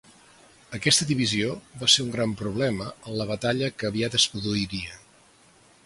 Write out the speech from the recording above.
Aquesta divisió va ser un gran problema en la batalla que aviat es produiria.